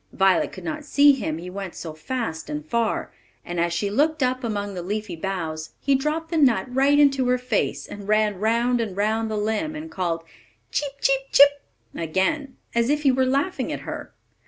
Violet could not see him, he went so fast and far; and as she looked up among the leafy boughs, he dropped the nut right into her face, and ran round and round the limb, and called "Cheep, cheep, chip!" again, as if he were laughing at her.